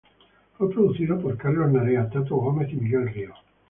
Fue producido por Carlos Narea, Tato Gómez y Miguel Ríos.